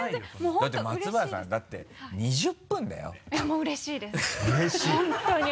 だって松原さんだって２０分だよいや